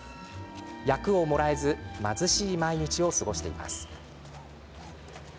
役をもらえず貧しい毎日を過ごしています。